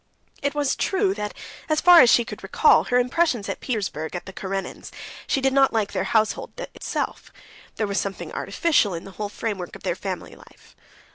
It was true that as far as she could recall her impressions at Petersburg at the Karenins', she did not like their household itself; there was something artificial in the whole framework of their family life.